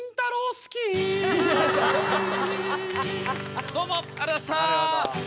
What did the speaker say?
好きどうもありがとうございました。